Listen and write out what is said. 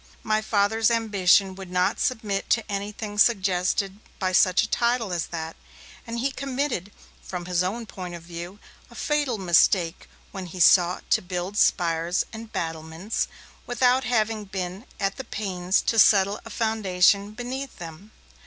My Father's ambition would not submit to anything suggested by such a title as that, and he committed, from his own point of view, a fatal mistake when he sought to build spires and battlements without having been at the pains to settle a foundation beneath them.